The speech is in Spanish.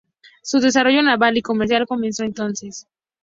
Su desarrollo naval y comercial comenzó entonces.